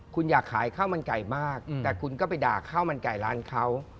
คุณอยากขายข้าวมันไก่มากแต่คุณก็ไปด่าข้าวมันไก่ร้านเขา